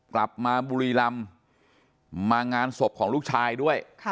กลับมาบุรีรำมางานศพของลูกชายด้วย